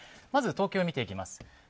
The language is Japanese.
まず、東京を見ていきます。